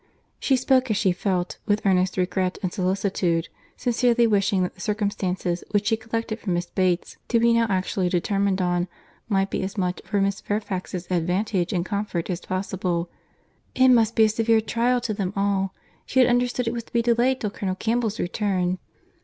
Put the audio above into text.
She spoke as she felt, with earnest regret and solicitude—sincerely wishing that the circumstances which she collected from Miss Bates to be now actually determined on, might be as much for Miss Fairfax's advantage and comfort as possible. "It must be a severe trial to them all. She had understood it was to be delayed till Colonel Campbell's return."